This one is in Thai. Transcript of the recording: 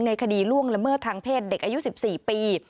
คดีล่วงละเมิดทางเพศเด็กอายุ๑๔ปี